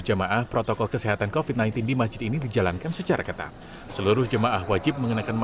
ada rasa khawatir atau kegagalan